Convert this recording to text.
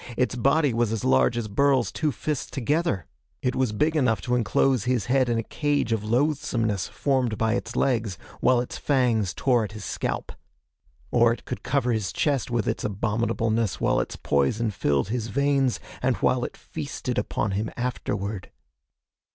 Its body was as large as Burl's two fists together. It was big enough to enclose his head in a cage of loathesomeness formed by its legs, while its fangs tore at his scalp. Or it could cover his chest with its abominableness while its poison filled his veins, and while it feasted upon him afterward....